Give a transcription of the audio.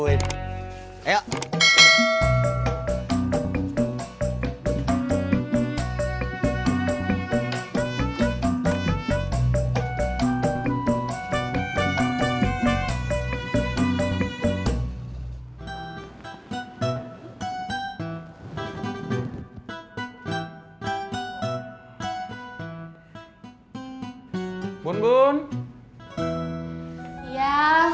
hai hai hai bun bun iya